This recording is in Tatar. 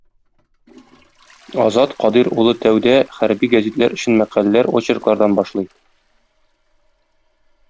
Азат Кадыйр улы тәүдә хәрби гәзитләр өчен мәкаләләр, очерклардан башлый.